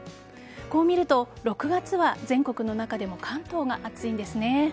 こう見ると６月は全国の中でも関東が暑いんですね。